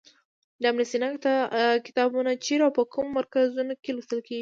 د ابن سینا کتابونه چیرې او په کومو مرکزونو کې لوستل کیږي.